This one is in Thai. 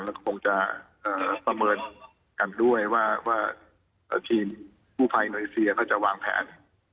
และคงจะประเมินกันด้วยว่าทีมผู้ภายหน่วยเซียเขาจะวางแผน